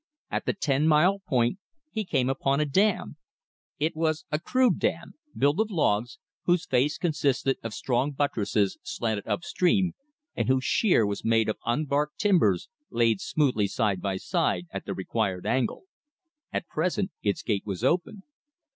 At the ten mile point he came upon a dam. It was a crude dam, built of logs, whose face consisted of strong buttresses slanted up stream, and whose sheer was made of unbarked timbers laid smoothly side by side at the required angle. At present its gate was open.